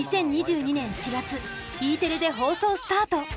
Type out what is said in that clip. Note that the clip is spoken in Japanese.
２０２２年４月Ｅテレで放送スタート。